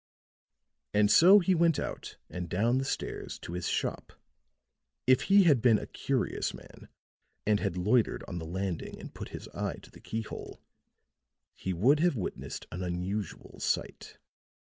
And so he went out and down the stairs to his shop. If he had been a curious man and had loitered on the landing and put his eye to the keyhole, he would have witnessed an unusual sight.